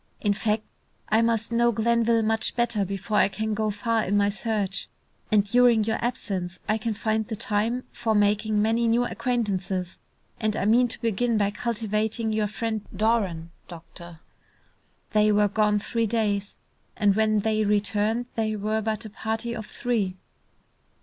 "In fact, I must know Glenville much better before I can go far in my search, and during your absence I can find the time for making many new acquaintances, and I mean to begin by cultivating your friend Doran, doctor." They were gone three days, and when they returned they were but a party of three.